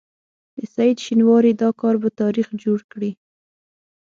د سعید شینواري دا کار به تاریخ جوړ کړي.